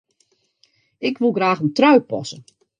Ik wol graach in trui passe.